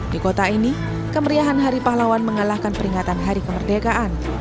di kota ini kemeriahan hari pahlawan mengalahkan peringatan hari kemerdekaan